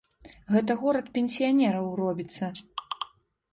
Гэта горад пенсіянераў робіцца.